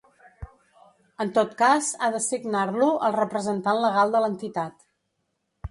En tot cas ha de signar-lo el representant legal de l'entitat.